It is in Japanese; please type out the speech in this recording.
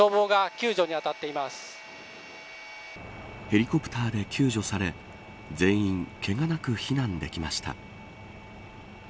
ヘリコプターで救助され全員けがなく避難できました。